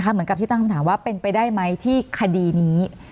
เหมือนกับที่ตั้งคำถามว่าเป็นไปได้ไหมที่คดีนี้